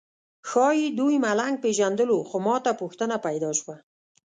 ښایي دوی ملنګ پېژندلو خو ماته پوښتنه پیدا شوه.